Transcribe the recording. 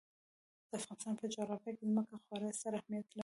د افغانستان په جغرافیه کې ځمکه خورا ستر اهمیت لري.